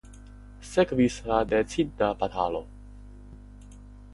Sekvis la decida batalo.